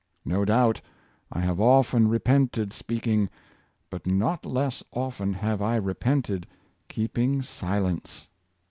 No doubt, I have often repented speaking; but not less often have I repented keeping silence."